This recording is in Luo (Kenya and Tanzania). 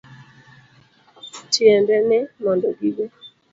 Tiende ni, mondo gibe